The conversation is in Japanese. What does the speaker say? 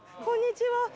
こんにちは。